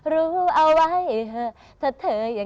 รู้เอาไว้เถอะ